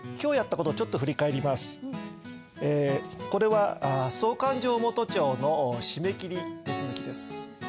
これは総勘定元帳の締め切り手続きです。